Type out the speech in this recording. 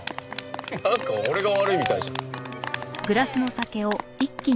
なんか俺が悪いみたいじゃん。